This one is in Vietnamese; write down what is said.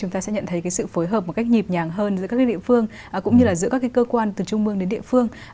chúng ta sẽ nhận thấy sự phối hợp một cách nhịp nhàng hơn giữa các địa phương cũng như là giữa các cơ quan từ trung mương đến địa phương